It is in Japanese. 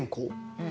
うん。